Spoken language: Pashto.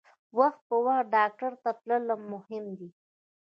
وخت په وخت ډاکټر ته تلل مهم دي.